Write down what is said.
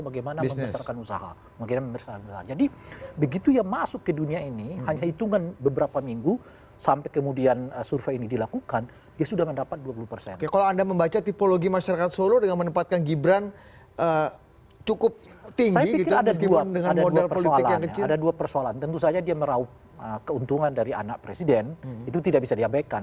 ada dua persoalan tentu saja dia merauh keuntungan dari anak presiden itu tidak bisa diabaikan